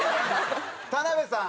田辺さん。